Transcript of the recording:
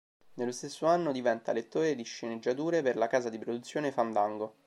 Nello stesso anno diventa lettore di sceneggiature per la casa di produzione Fandango.